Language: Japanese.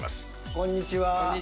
こんにちは。